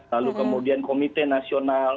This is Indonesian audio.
lalu kemudian komite nasional